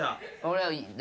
俺はいい。